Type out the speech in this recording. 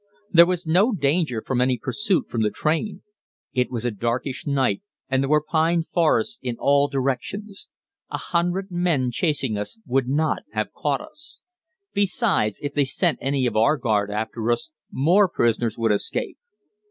There was no danger from any pursuit from the train. It was a darkish night, and there were pine forests in all directions. A hundred men chasing us would not have caught us. Besides, if they sent any of our guard after us, more prisoners would escape.